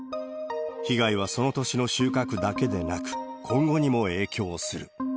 被害はその年の収穫だけでなく、今後にも影響する。